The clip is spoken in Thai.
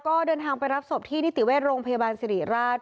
ก็เดินทางไปรับศพที่นิติเวชโรงพยาบาลสิริราช